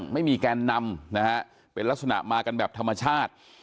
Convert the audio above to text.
ไม่มีแกนนำเป็นลักษณะมากันแบบธรรมชาติ